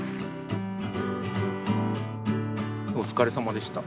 お疲れさまでした。